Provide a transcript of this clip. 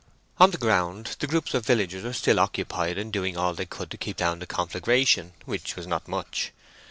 On the ground the groups of villagers were still occupied in doing all they could to keep down the conflagration, which was not much.